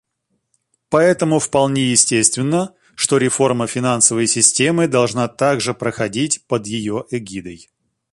Поэтому вполне естественно, что реформа финансовой системы должна также проходить под ее эгидой.